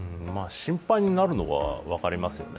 心配になるのは分かりますよね。